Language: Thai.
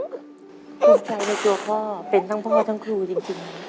ภูมิใจในตัวพ่อเป็นทั้งพ่อทั้งครูจริง